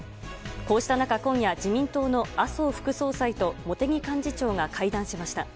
こうした中、今夜自民党の麻生副総裁と茂木幹事長が会談しました。